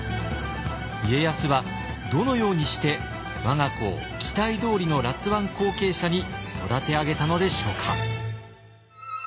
家康はどのようにして我が子を期待どおりの辣腕後継者に育て上げたのでしょうか。